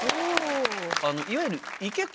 いわゆる。